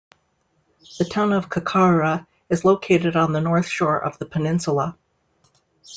The town of Kaikoura is located on the north shore of the peninsula.